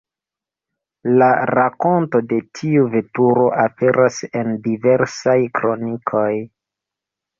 La rakonto de tiu veturo aperas en diversaj kronikoj.